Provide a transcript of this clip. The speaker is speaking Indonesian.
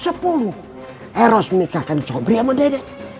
eros menikahkan sobri sama dedek